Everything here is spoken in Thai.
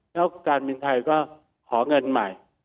แล้วการบินไทยก็ขอเงินใหม่